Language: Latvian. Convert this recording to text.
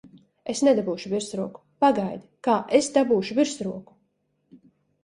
Es nedabūšu virsroku! Pagaidi, kā es dabūšu virsroku!